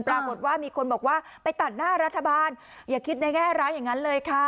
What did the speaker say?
ปรากฏว่ามีคนบอกว่าไปตัดหน้ารัฐบาลอย่าคิดในแง่ร้ายอย่างนั้นเลยค่ะ